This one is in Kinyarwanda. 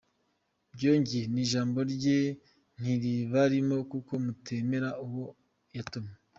Byongeye, n’ijambo rye ntiribarimo kuko mutemera uwo yatumye.